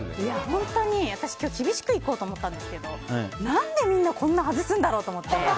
本当に私、今日厳しくいこうと思ったんですけど何でみんなこんな外すんだろうと思って。